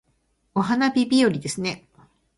お花見日和ですね